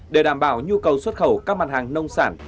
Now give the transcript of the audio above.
để đảm bảo nhu cầu xuất khẩu các mặt hàng nông sản